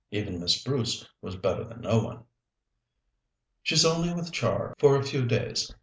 "Even Miss Bruce was better than no one." "She's only with Char for a few days.